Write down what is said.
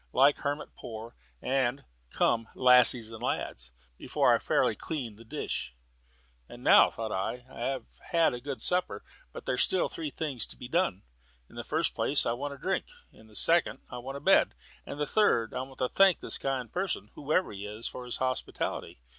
"Like Hermit Poor," and "Come, Lasses and Lads," before I had fairly cleared the dish. "And now," thought I, "I have had a good supper; but there are still three things to be done. In the first place I want drink, in the second I want a bed, and in the third I want to thank this kind person, whoever he is, for his hospitality.